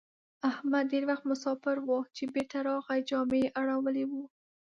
احمد ډېر وخت مساپر وو؛ چې بېرته راغی جامه يې اړولې وه.